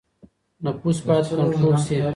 نفوس بايد کنټرول سي.